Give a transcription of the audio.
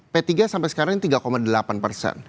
p tiga sampai sekarang ini tiga delapan persen